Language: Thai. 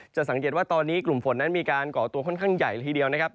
สังเกตว่าตอนนี้กลุ่มฝนนั้นมีการก่อตัวค่อนข้างใหญ่เลยทีเดียวนะครับ